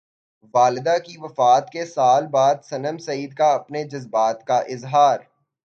والدہ کی وفات کے سال بعد صنم سعید کا اپنے جذبات کا اظہار